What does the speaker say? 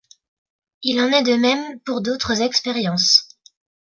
Il en est de même pour d'autres expériences.